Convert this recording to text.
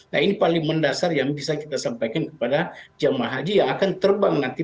nah ini paling mendasar yang bisa kita sampaikan kepada jemaah haji yang akan terbang nanti